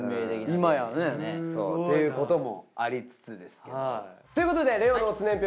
今やね。っていうこともありつつですけども。ということで玲於の乙年表